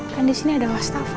kan di sini ada wastafel